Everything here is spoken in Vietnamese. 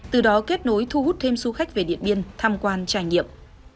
từ đó kết nối thu hút thêm du khách về điện biên tham quan trải nghiệm